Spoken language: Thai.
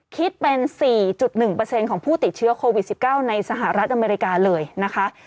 คิดเป็น๔๑ของผู้ติดเชื้อโควิด๑๙ในสหรัฐอเมริกาเลยนะคะ